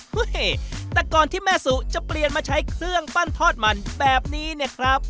เฮ้ยแต่ก่อนที่แม่สุจะเปลี่ยนมาใช้เครื่องปั้นทอดมันแบบนี้เนี่ยครับ